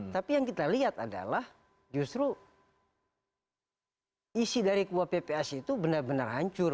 tapi yang kita lihat adalah justru isi dari kuap pps itu benar benar hancur